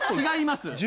違います！